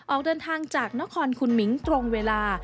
ออกเดินทางจากนครคุณมิ้งตรงเวลา